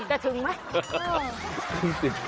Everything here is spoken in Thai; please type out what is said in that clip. จะถึงมั้ย